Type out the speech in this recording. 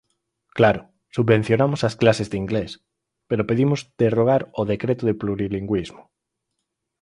Claro, subvencionamos as clases de inglés, pero pedimos derrogar o Decreto de plurilingüismo.